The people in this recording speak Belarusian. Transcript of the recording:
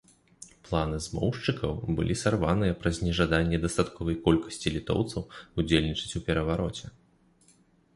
Планы змоўшчыкаў былі сарваныя праз нежаданне дастатковай колькасці літоўцаў удзельнічаць у перавароце.